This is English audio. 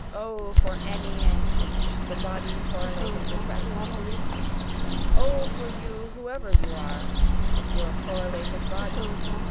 O for any and each the body correlative attracting! O for you whoever you are your correlative body!